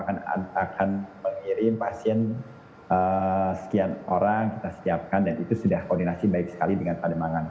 kita akan mengirim pasien sekian orang kita siapkan dan itu sudah koordinasi baik sekali dengan pademangan